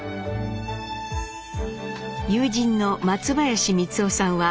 友人の松林光男さん